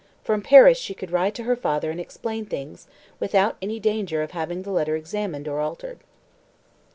From Paris she could write to her father and explain things, without any danger of having the letter examined or altered.